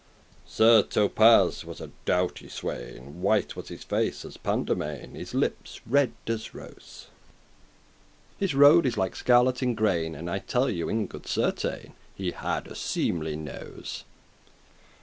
<3> Sir Thopas was a doughty swain, White was his face as paindemain, <4> His lippes red as rose. His rode* is like scarlet in grain, *complexion And I you tell in good certain He had a seemly nose.